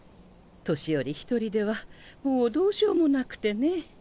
年寄り１人ではもうどうしようもなくてね。